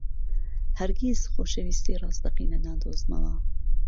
هەرگیز خۆشەویستیی ڕاستەقینە نادۆزمەوە.